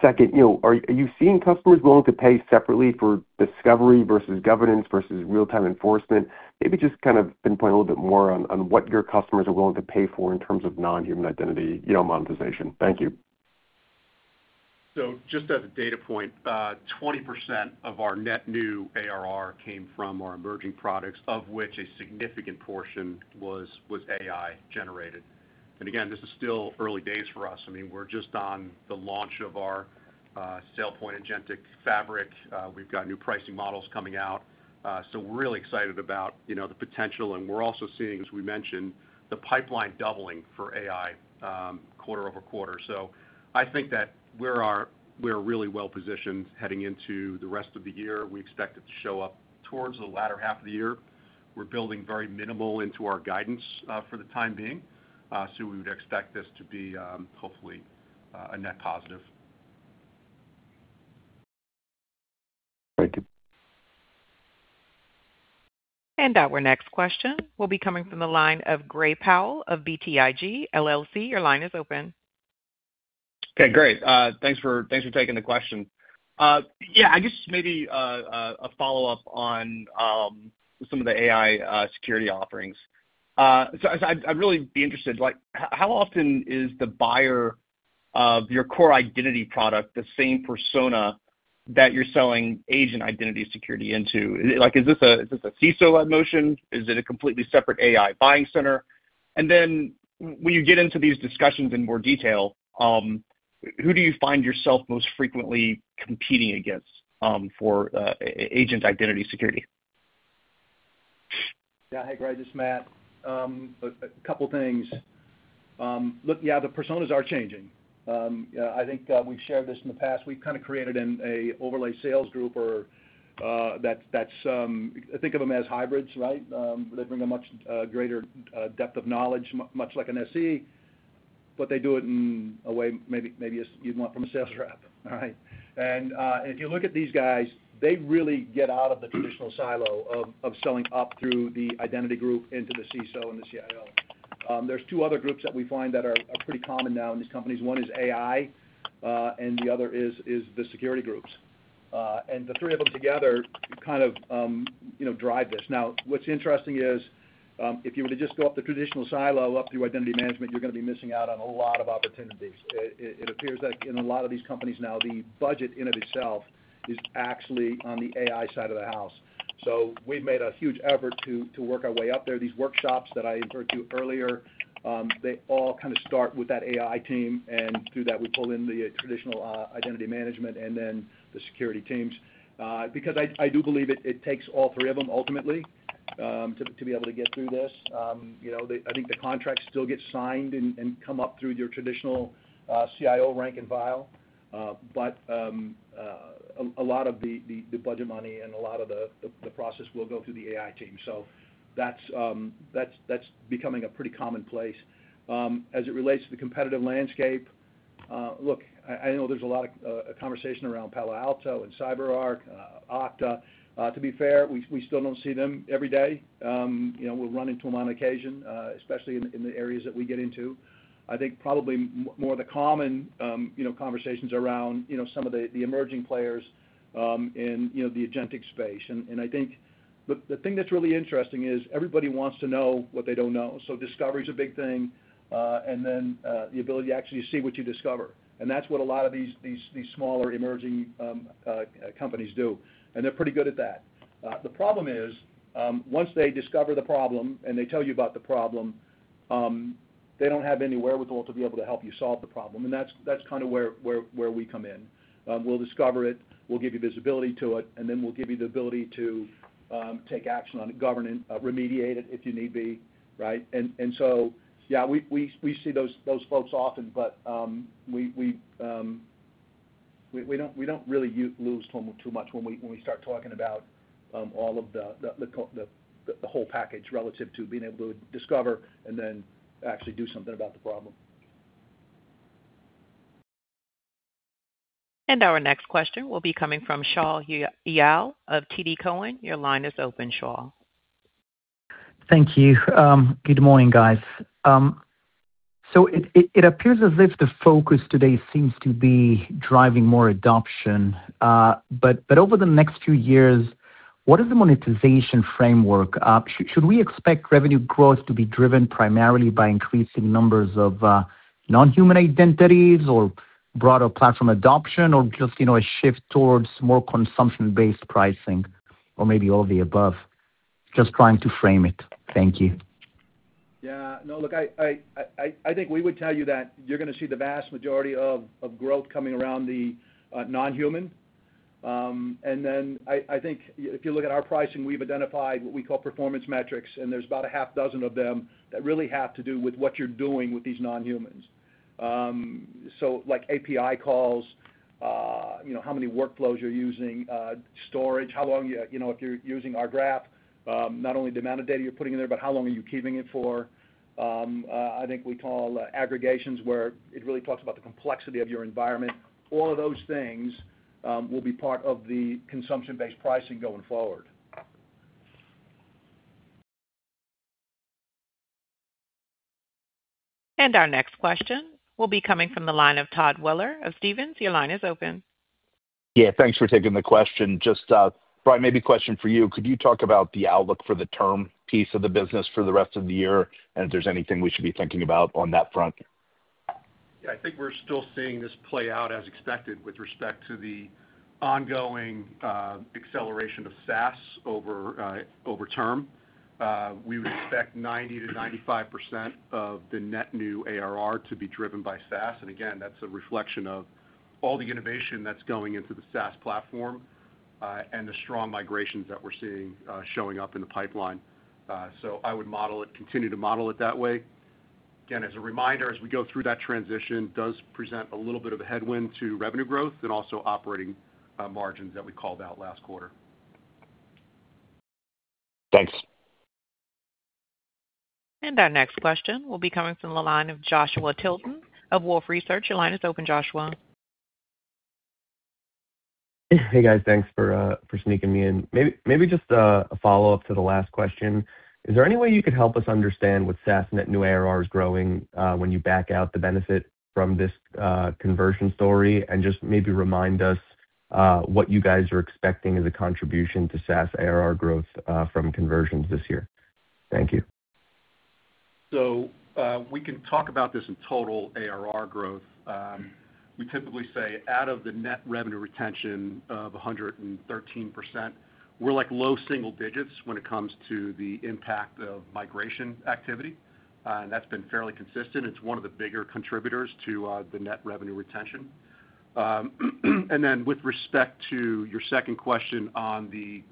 Second, are you seeing customers willing to pay separately for discovery versus governance versus real-time enforcement? Maybe just kind of pinpoint a little bit more on what your customers are willing to pay for in terms of non-human identity monetization. Thank you. Just as a data point, 20% of our net new ARR came from our emerging products, of which a significant portion was AI generated. Again, this is still early days for us. We're just on the launch of our SailPoint Agentic Fabric. We've got new pricing models coming out. We're really excited about the potential, and we're also seeing, as we mentioned, the pipeline doubling for AI quarter-over-quarter. I think that we're really well positioned heading into the rest of the year. We expect it to show up towards the latter half of the year. We're building very minimal into our guidance for the time being. We would expect this to be hopefully a net positive. Thank you. Our next question will be coming from the line of Gray Powell of BTIG, LLC. Your line is open. Okay, great. Thanks for taking the question. Yeah, I guess maybe a follow-up on some of the AI security offerings. I'd really be interested, how often is the buyer of your core identity product the same persona that you're selling Agent Identity Security into? Is this a CISO motion? Is it a completely separate AI buying center? And then when you get into these discussions in more detail, who do you find yourself most frequently competing against for Agent Identity Security? Yeah. Hey, Gray. This is Matt. A couple of things. Look, yeah, the personas are changing. I think we've shared this in the past. We've kind of created an overlay sales group or think of them as hybrids, right? They bring a much greater depth of knowledge, much like an SE, but they do it in a way maybe you'd want from a sales rep. All right. If you look at these guys, they really get out of the traditional silo of selling up through the identity group into the CISO and the CIO. There are two other groups that we find that are pretty common now in these companies. One is AI, and the other is the security groups. The three of them together kind of drive this. What's interesting is, if you were to just go up the traditional silo up through identity management, you're going to be missing out on a lot of opportunities. It appears that in a lot of these companies now, the budget in and of itself is actually on the AI side of the house. We've made a huge effort to work our way up there. These workshops that I referred to earlier, they all start with that AI team, through that, we pull in the traditional identity management and then the security teams. Because I do believe it takes all three of them ultimately to be able to get through this. I think the contracts still get signed and come up through your traditional CIO rank and file. A lot of the budget money and a lot of the process will go through the AI team. That's becoming a pretty common place. As it relates to the competitive landscape, look, I know there's a lot of conversation around Palo Alto and CyberArk, Okta. To be fair, we still don't see them every day. We'll run into them on occasion, especially in the areas that we get into. I think probably more of the common conversations around some of the emerging players in the agentic space. I think the thing that's really interesting is everybody wants to know what they don't know. Discovery's a big thing, then the ability to actually see what you discover. That's what a lot of these smaller emerging companies do, and they're pretty good at that. The problem is, once they discover the problem and they tell you about the problem. They don't have any wherewithal to be able to help you solve the problem, and that's where we come in. We'll discover it, we'll give you visibility to it, and then we'll give you the ability to take action on it, govern it, remediate it if you need be. Yeah, we see those folks often, but we don't really lose too much when we start talking about all of the whole package relative to being able to discover and then actually do something about the problem. Our next question will be coming from Shaul Eyal of TD Cowen. Your line is open, Shaw. Thank you. Good morning, guys. It appears as if the focus today seems to be driving more adoption. Over the next few years, what is the monetization framework? Should we expect revenue growth to be driven primarily by increasing numbers of non-human identities or broader platform adoption or just a shift towards more consumption-based pricing or maybe all the above? Just trying to frame it. Thank you. Yeah. No, look, I think we would tell you that you're going to see the vast majority of growth coming around the non-human. I think if you look at our pricing, we've identified what we call performance metrics, and there's about a half dozen of them that really have to do with what you're doing with these non-humans. Like API calls, how many workflows you're using, storage, if you're using our graph, not only the amount of data you're putting in there, but how long are you keeping it for? I think we call aggregations where it really talks about the complexity of your environment. All of those things will be part of the consumption-based pricing going forward. Our next question will be coming from the line of Todd Weller of Stephens. Your line is open. Yeah, thanks for taking the question. Just, Brian, maybe a question for you. Could you talk about the outlook for the term piece of the business for the rest of the year, and if there's anything we should be thinking about on that front? Yeah, I think we're still seeing this play out as expected with respect to the ongoing acceleration of SaaS over term. We would expect 90%-95% of the net new ARR to be driven by SaaS. Again, that's a reflection of all the innovation that's going into the SaaS platform, and the strong migrations that we're seeing showing up in the pipeline. I would continue to model it that way. Again, as a reminder, as we go through that transition, it does present a little bit of a headwind to revenue growth and also operating margins that we called out last quarter. Thanks. Our next question will be coming from the line of Joshua Tilton of Wolfe Research. Your line is open, Joshua. Hey, guys, thanks for sneaking me in. Maybe just a follow-up to the last question. Is there any way you could help us understand what SaaS net new ARR is growing when you back out the benefit from this conversion story? Just maybe remind us what you guys are expecting as a contribution to SaaS ARR growth from conversions this year. Thank you. We can talk about this in total ARR growth. We typically say out of the net revenue retention of 113%, we're like low single digits when it comes to the impact of migration activity. That's been fairly consistent. It's one of the bigger contributors to the net revenue retention. With respect to your second question on the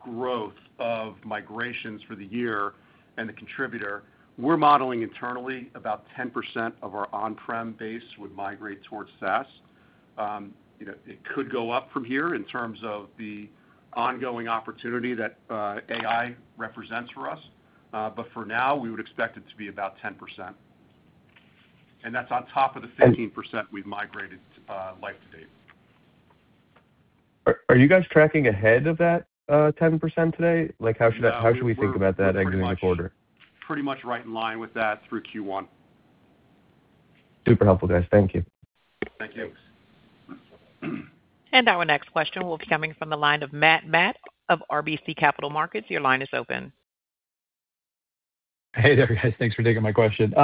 growth of migrations for the year and the contributor, we're modeling internally about 10% of our on-prem base would migrate towards SaaS. It could go up from here in terms of the ongoing opportunity that AI represents for us. For now, we would expect it to be about 10%. That's on top of the 15% we've migrated life to date. Are you guys tracking ahead of that 10% today? How should we think about that exiting the quarter? We're pretty much right in line with that through Q1. Super helpful, guys. Thank you. Thank you. Our next question will be coming from the line of Matt Hedberg of RBC Capital Markets. Your line is open. Hey there, guys. Thanks for taking my question.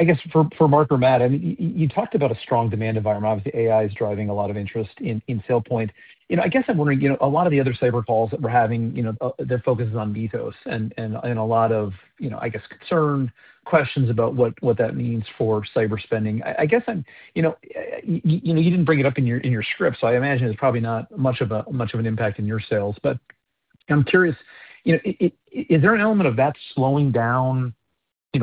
I guess for Mark or Matt, you talked about a strong demand environment. Obviously, AI is driving a lot of interest in SailPoint. I guess I'm wondering, a lot of the other cyber calls that we're having, their focus is on Mythos and a lot of, I guess, concern, questions about what that means for cyber spending. I guess you didn't bring it up in your script, so I imagine it's probably not much of an impact in your sales. I'm curious, is there an element of that slowing down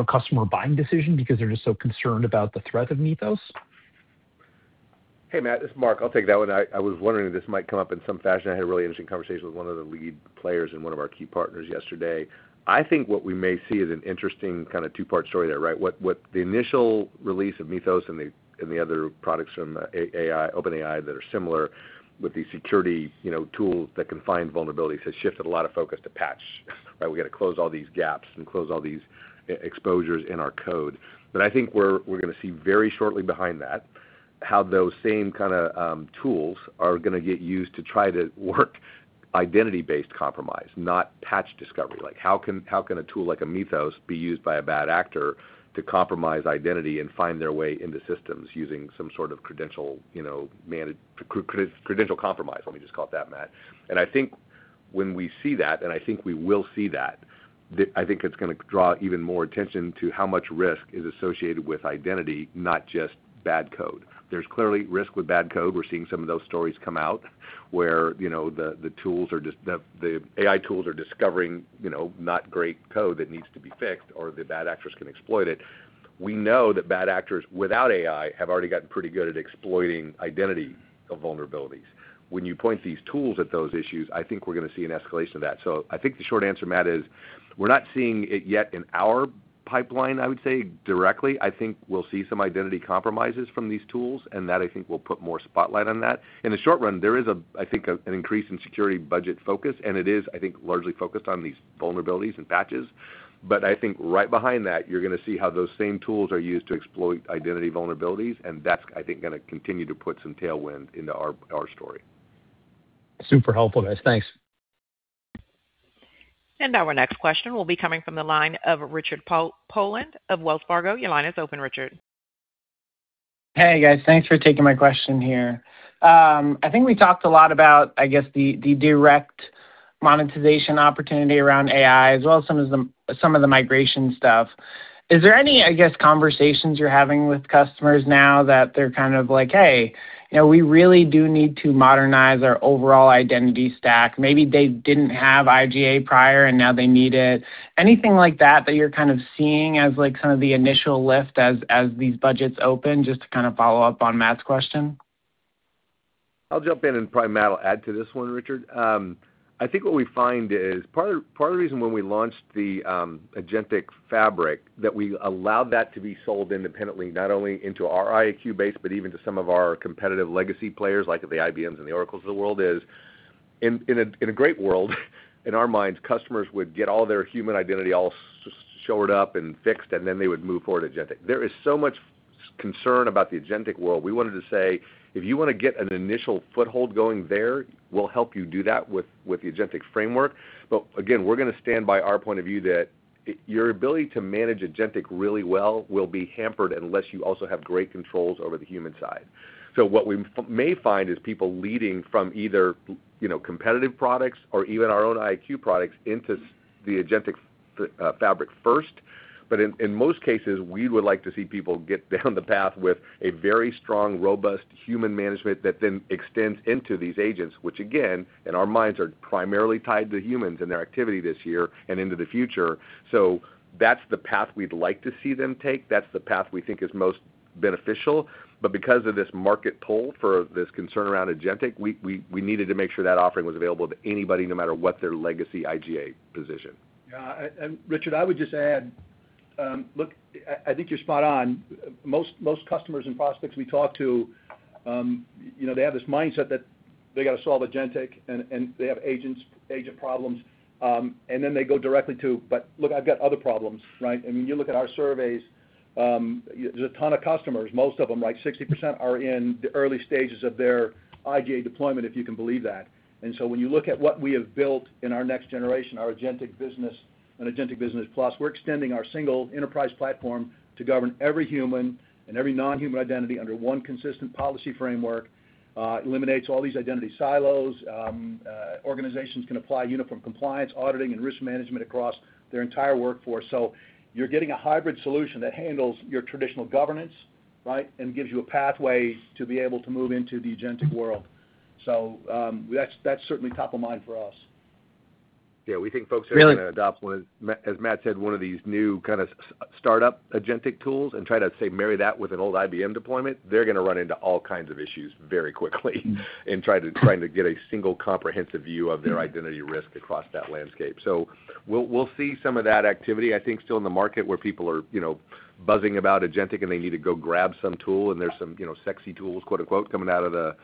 customer buying decision because they're just so concerned about the threat of Mythos? Hey, Matt, this is Mark. I'll take that one. I was wondering if this might come up in some fashion. I had a really interesting conversation with one of the lead players and one of our key partners yesterday. I think what we may see is an interesting two-part story there, right? What the initial release of Mythos and the other products from OpenAI that are similar with these security tools that can find vulnerabilities has shifted a lot of focus to patch, right? We've got to close all these gaps and close all these exposures in our code. I think we're going to see very shortly behind that how those same kind of tools are going to get used to try to work identity-based compromise, not patch discovery. How can a tool like a Mythos be used by a bad actor to compromise identity and find their way into systems using some sort of credential compromise? Let me just call it that, Matt. When we see that, and I think we will see that, I think it's going to draw even more attention to how much risk is associated with identity, not just bad code. There's clearly risk with bad code. We're seeing some of those stories come out, where the AI tools are discovering not great code that needs to be fixed or the bad actors can exploit it. We know that bad actors without AI have already gotten pretty good at exploiting identity vulnerabilities. When you point these tools at those issues, I think we're going to see an escalation of that. I think the short answer, Matt, is we're not seeing it yet in our pipeline, I would say directly. I think we'll see some identity compromises from these tools, and that, I think, will put more spotlight on that. In the short run, there is, I think, an increase in security budget focus, and it is, I think, largely focused on these vulnerabilities and patches. I think right behind that, you're going to see how those same tools are used to exploit identity vulnerabilities, and that's, I think, going to continue to put some tailwind into our story. Super helpful, guys. Thanks. Our next question will be coming from the line of Richard Poland of Wells Fargo. Your line is open, Richard. Hey, guys. Thanks for taking my question here. We talked a lot about, I guess, the direct monetization opportunity around AI as well as some of the migration stuff. Is there any, I guess, conversations you're having with customers now that they're kind of like, "Hey, we really do need to modernize our overall identity stack." Maybe they didn't have IGA prior and now they need it. Anything like that you're kind of seeing as the initial lift as these budgets open, just to follow up on Matt's question? I'll jump in and probably Matt will add to this one, Richard. What we find is part of the reason when we launched the Agentic Fabric, that we allowed that to be sold independently, not only into our IdentityIQ base, but even to some of our competitive legacy players, like the IBMs and the Oracles of the world, is in a great world, in our minds, customers would get all their human identity all shored up and fixed, then they would move forward agentic. There is so much concern about the agentic world. We wanted to say, if you want to get an initial foothold going there, we'll help you do that with the agentic framework. Again, we're going to stand by our point of view that your ability to manage agentic really well will be hampered unless you also have great controls over the human side. What we may find is people leading from either competitive products or even our own IdentityIQ products into the Agentic Fabric first. In most cases, we would like to see people get down the path with a very strong, robust human management that then extends into these agents, which again, in our minds, are primarily tied to humans and their activity this year and into the future. That's the path we'd like to see them take. That's the path we think is most beneficial. Because of this market pull for this concern around agentic, we needed to make sure that offering was available to anybody, no matter what their legacy IGA position. Yeah. Richard, I would just add, look, I think you're spot on. Most customers and prospects we talk to, they have this mindset that they got to solve agentic, and they have agent problems, and then they go directly to, "But look, I've got other problems," right? When you look at our surveys, there's a ton of customers, most of them, like 60%, are in the early stages of their IGA deployment, if you can believe that. When you look at what we have built in our next generation, our Agentic Business and Agentic Business Plus, we're extending our single enterprise platform to govern every human and every non-human identity under one consistent policy framework. It eliminates all these identity silos. Organizations can apply uniform compliance, auditing, and risk management across their entire workforce. You're getting a hybrid solution that handles your traditional governance, right, and gives you a pathway to be able to move into the agentic world. That's certainly top of mind for us. Yeah. We think folks are going to adopt, as Matt said, one of these new startup agentic tools and try to, say, marry that with an old IBM deployment. They're going to run into all kinds of issues very quickly in trying to get a single comprehensive view of their identity risk across that landscape. We'll see some of that activity, I think, still in the market where people are buzzing about agentic and they need to go grab some tool, and there's some "sexy tools" coming out of the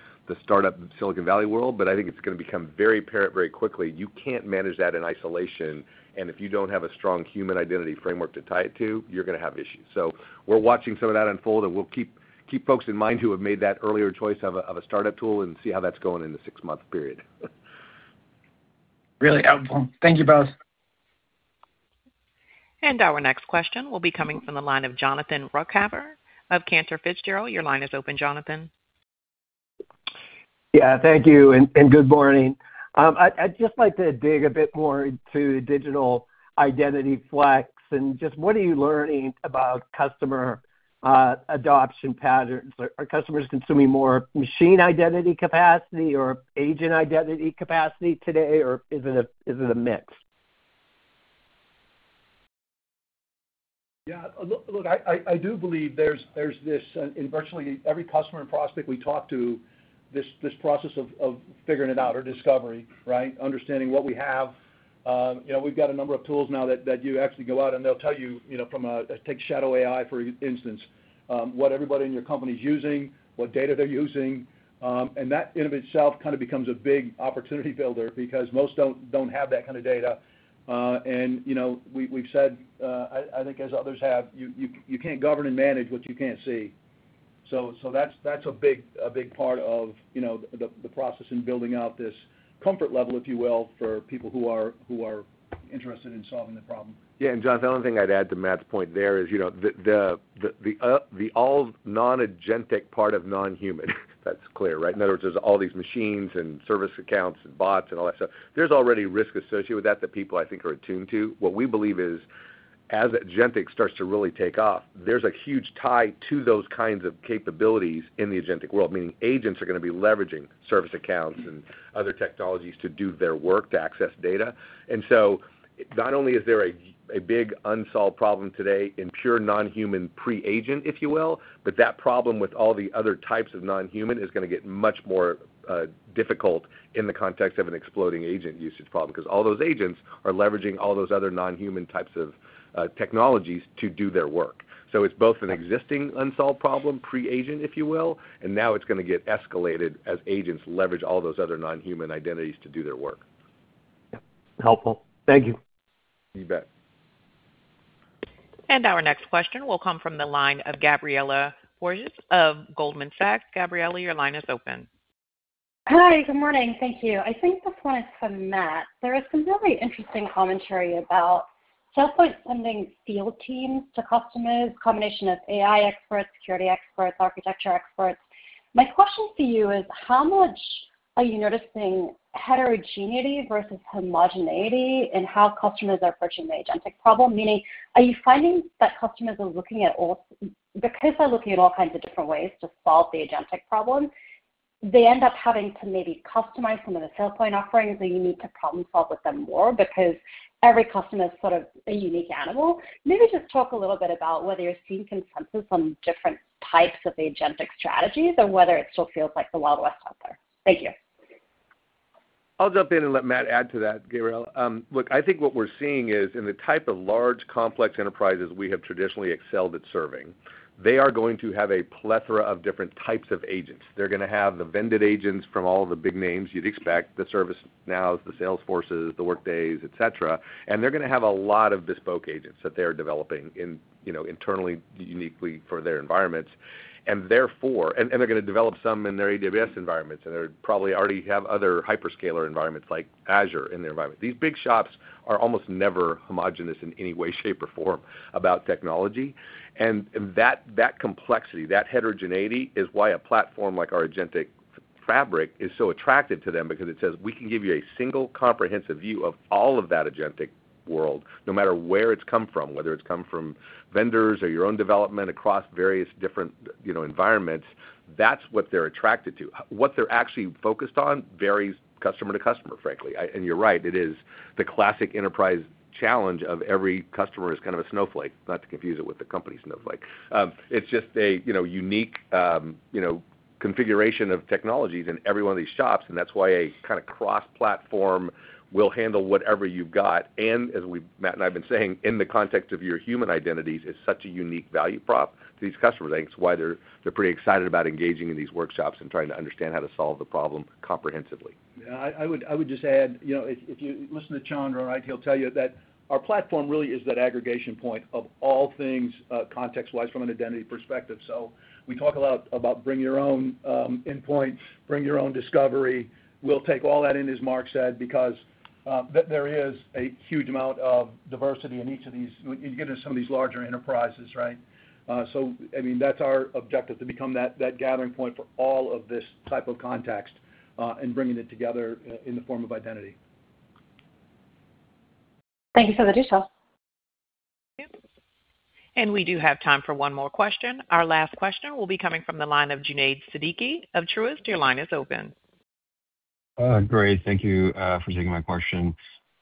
startup Silicon Valley world. I think it's going to become very apparent very quickly you can't manage that in isolation, and if you don't have a strong human identity framework to tie it to, you're going to have issues. We're watching some of that unfold, and we'll keep folks in mind who have made that earlier choice of a startup tool and see how that's going in the six-month period. Really helpful. Thank you both. Our next question will be coming from the line of Jonathan Ruykhaver of Cantor Fitzgerald. Your line is open, Jonathan. Yeah. Thank you, and good morning. I'd just like to dig a bit more into Digital Identity Flex and just what are you learning about customer adoption patterns. Are customers consuming more machine identity capacity or agent identity capacity today, or is it a mix? Yeah. Look, I do believe there's this, in virtually every customer and prospect we talk to, this process of figuring it out or discovery, right? Understanding what we have. We've got a number of tools now that you actually go out, and they'll tell you from a, take Shadow AI, for instance, what everybody in your company's using, what data they're using. That in of itself kind of becomes a big opportunity builder because most don't have that kind of data. We've said, I think as others have, you can't govern and manage what you can't see. That's a big part of the process in building out this comfort level, if you will, for people who are interested in solving the problem. John, the only thing I'd add to Matt's point there is, the all non-agentic part of non-human, that's clear, right? In other words, there's all these machines and service accounts and bots and all that stuff. There's already risk associated with that people, I think, are attuned to. What we believe is, as agentic starts to really take off, there's a huge tie to those kinds of capabilities in the agentic world, meaning agents are going to be leveraging service accounts and other technologies to do their work, to access data. Not only is there a big unsolved problem today in pure non-human pre-agent, if you will, but that problem with all the other types of non-human is going to get much more difficult in the context of an exploding agent usage problem, because all those agents are leveraging all those other non-human types of technologies to do their work. It's both an existing unsolved problem, pre-agent, if you will, and now it's going to get escalated as agents leverage all those other non-human identities to do their work. Helpful. Thank you. You bet. Our next question will come from the line of Gabriela Borges of Goldman Sachs. Gabriela, your line is open. Hi. Good morning. Thank you. I think this one is for Matt. There has been really interesting commentary about SailPoint sending field teams to customers, combination of AI experts, security experts, architecture experts. My question to you is, how much are you noticing heterogeneity versus homogeneity in how customers are approaching the agentic problem? Meaning, are you finding that customers are looking at all kinds of different ways to solve the agentic problem, they end up having to maybe customize some of the SailPoint offerings, or you need to problem-solve with them more, because every customer is sort of a unique animal. Maybe just talk a little bit about whether you're seeing consensus on different types of agentic strategies or whether it still feels like the Wild West out there. Thank you. I'll jump in and let Matt add to that, Gabriela. Look, I think what we're seeing is in the type of large, complex enterprises we have traditionally excelled at serving, they are going to have a plethora of different types of agents. They're going to have the vended agents from all the big names you'd expect, the ServiceNows, the Salesforces, the Workdays, et cetera, and they're going to have a lot of bespoke agents that they're developing internally, uniquely for their environments. They're going to develop some in their AWS environments, and they probably already have other hyperscaler environments like Azure in their environment. These big shops are almost never homogeneous in any way, shape, or form about technology. That complexity, that heterogeneity, is why a platform like our agentic fabric is so attractive to them because it says, "We can give you a single comprehensive view of all of that agentic world, no matter where it's come from, whether it's come from vendors or your own development across various different environments." That's what they're attracted to. What they're actually focused on varies customer to customer, frankly. You're right, it is the classic enterprise challenge of every customer is kind of a snowflake. Not to confuse it with the company Snowflake. It's just a unique configuration of technologies in every one of these shops, and that's why a kind of cross-platform will handle whatever you've got. As Matt and I've been saying, in the context of your human identities, it's such a unique value prop to these customers. I think it's why they're pretty excited about engaging in these workshops and trying to understand how to solve the problem comprehensively. Yeah, I would just add, if you listen to Chandra, right, he'll tell you that our platform really is that aggregation point of all things context-wise from an identity perspective. We talk a lot about bring your own endpoints, bring your own discovery. We'll take all that in, as Mark said, because there is a huge amount of diversity in each of these, you get into some of these larger enterprises, right? That's our objective, to become that gathering point for all of this type of context, and bringing it together in the form of identity. Thank you for the details. We do have time for one more question. Our last question will be coming from the line of Junaid Siddiqui of Truist. Your line is open. Great. Thank you for taking my question.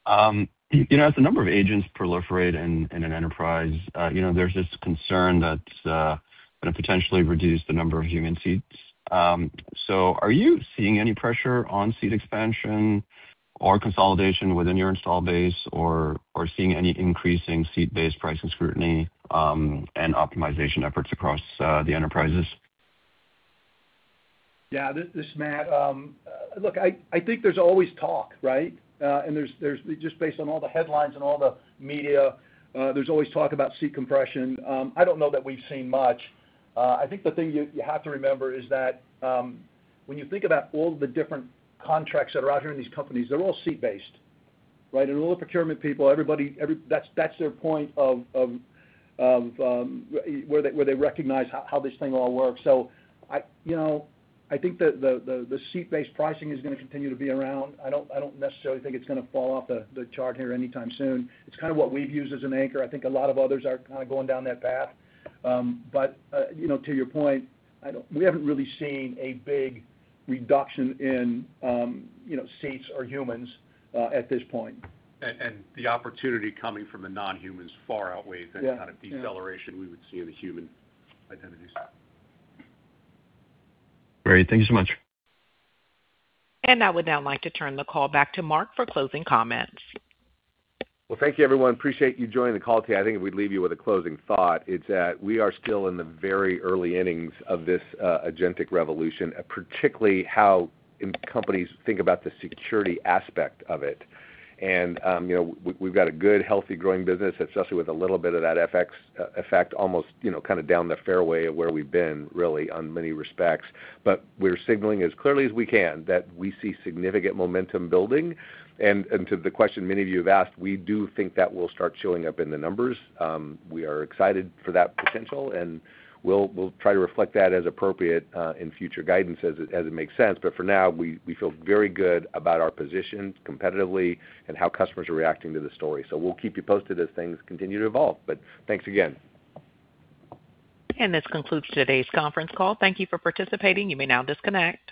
As the number of agents proliferate in an enterprise, there's this concern that it's going to potentially reduce the number of human seats. Are you seeing any pressure on seat expansion or consolidation within your install base, or seeing any increasing seat-based pricing scrutiny, and optimization efforts across the enterprises? Yeah, this is Matt. Look, I think there's always talk, right? Just based on all the headlines and all the media, there's always talk about seat compression. I don't know that we've seen much. I think the thing you have to remember is that, when you think about all the different contracts that are out here in these companies, they're all seat-based, right? All the procurement people, that's their point of where they recognize how this thing all works. I think that the seat-based pricing is going to continue to be around. I don't necessarily think it's going to fall off the chart here anytime soon. It's kind of what we've used as an anchor. I think a lot of others are kind of going down that path. To your point, we haven't really seen a big reduction in seats or humans at this point. The opportunity coming from the non-humans far outweighs any- Yeah kind of deceleration we would see in the human identities. Great. Thank you so much. I would now like to turn the call back to Mark for closing comments. Well, thank you everyone. Appreciate you joining the call today. I think if we'd leave you with a closing thought, it's that we are still in the very early innings of this agentic revolution, particularly how companies think about the security aspect of it. We've got a good, healthy growing business, especially with a little bit of that FX effect almost down the fairway of where we've been, really, on many respects. We're signaling as clearly as we can that we see significant momentum building. To the question many of you have asked, we do think that will start showing up in the numbers. We are excited for that potential, and we'll try to reflect that as appropriate, in future guidance as it makes sense. For now, we feel very good about our position competitively and how customers are reacting to the story. We'll keep you posted as things continue to evolve. Thanks again. This concludes today's conference call. Thank you for participating. You may now disconnect.